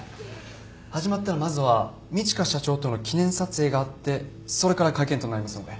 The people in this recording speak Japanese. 始まったらまずは路加社長との記念撮影があってそれから会見となりますので。